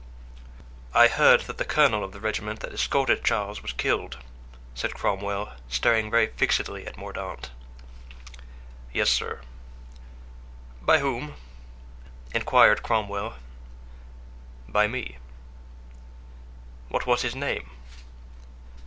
"I heard that the colonel of the regiment that escorted Charles was killed," said Cromwell, staring very fixedly at Mordaunt. "Yes, sir." "By whom?" inquired Cromwell. "By me." "What was his name?"